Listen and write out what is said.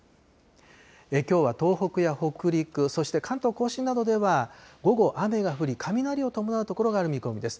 きょうは東北や北陸、そして関東甲信などでは、午後、雨が降り、雷を伴う所もある見込みです。